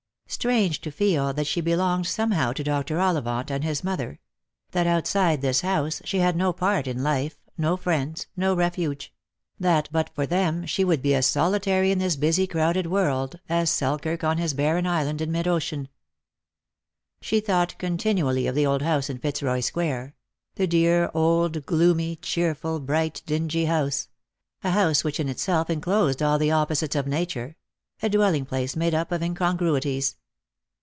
Strange to feel that she belonged somehow to Dr. Ollivant and his mother ; that outside this house she had no part in life, no friends, no refuge; that but for them she would be as solitary in this busy crowded world as Selkirk on his barren isle in mid ocean. She thought continually of the old house in Fitzroy square ; the dear old gloomy, cheerful, bright, dingy house — a house ivhich in itself enclosed all the opposites of nature — a dwelling place made up of incongruities.